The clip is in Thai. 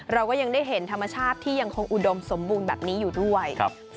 เราก็ยังได้เห็นธรรมชาติที่ยังคงอุดมสมบูรณ์แบบนี้อยู่ด้วย